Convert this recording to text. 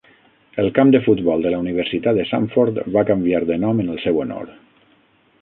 El camp de futbol de la Universitat de Samford va canviar de nom en el seu honor.